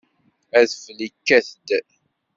Adfel ikkat-d.